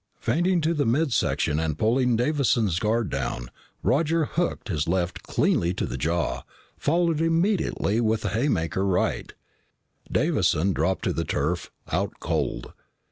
Feinting to the mid section and pulling Davison's guard down, Roger hooked his left cleanly to the jaw, following immediately with a haymaker right. Davison dropped to the turf, out cold.